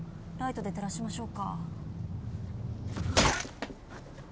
ライトで照らしましょうか。